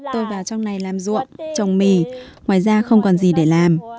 tôi vào trong này làm ruộng trồng mì ngoài ra không còn gì để làm